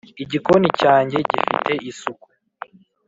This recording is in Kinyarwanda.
igikoni cyange gifite isuku